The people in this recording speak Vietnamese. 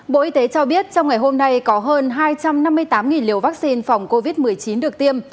bộ y tế cho biết trong ngày hôm nay có hơn hai trăm năm mươi tám liều vaccine phòng covid một mươi chín được tiêm